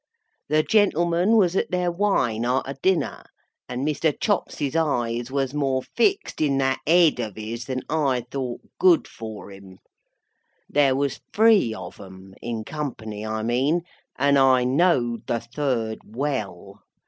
The gentlemen was at their wine arter dinner, and Mr. Chops's eyes was more fixed in that Ed of his than I thought good for him. There was three of 'em (in company, I mean), and I knowed the third well.